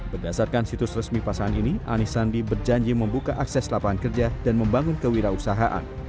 berdasarkan situs resmi pasangan ini anis sandi berjanji membuka akses lapangan kerja dan membangun kewirausahaan